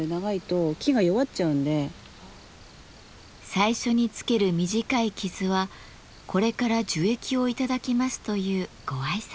最初につける短い傷はこれから樹液を頂きますというご挨拶。